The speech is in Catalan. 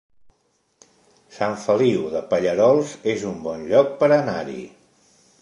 Sant Feliu de Pallerols es un bon lloc per anar-hi